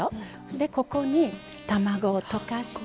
でここに卵を溶かして。